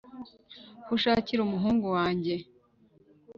Ho ushakira umuhungu wanjye